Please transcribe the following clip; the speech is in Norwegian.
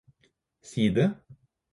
side